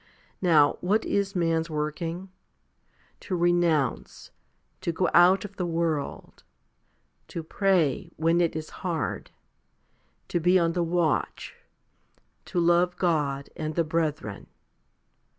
Now what is man's working ?. To renounce, to go out of the world, to pray when it is hard, to be on the watch, to love God and the brethren.